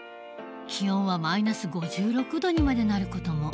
気温はマイナス５６度にまでなる事も。